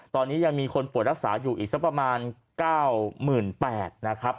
ตอนนี้ยังมีคนป่วยรักษาอยู่อีกสักประมาณ๙๘๐๐นะครับ